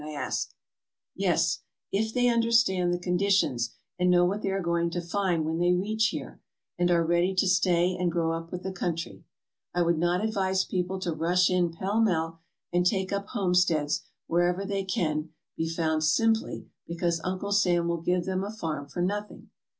I asked. " Yes, if they understand the conditions and know what they are going to find when they reach here and are ready to stay and grow up with the country. I would not advise people to rush in pell mell and take up home steads wherever they can be found simply because Uncle Sam will give them a farm for nothing.